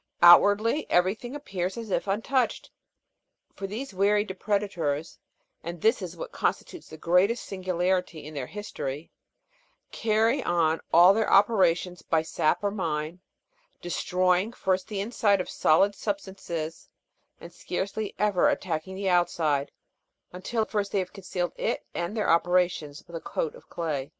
Outwardly every thing appears as if untouched; for these wary depredators and this is what con stitutes the greatest singularity in their history carry on all their opera tions by sap or mine, destroying first the inside of solid substances, and scarcely ever attacking the outside, until first they have concealed it and their operations with a coat of clay."